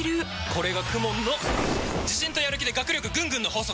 これがＫＵＭＯＮの自信とやる気で学力ぐんぐんの法則！